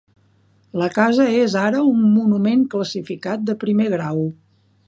La casa és ara un monument classificat de primer grau.